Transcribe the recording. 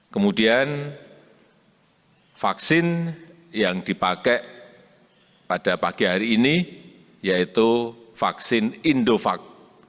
kemudian vaksin yang dipakai pada pagi hari ini yaitu vaksin indovac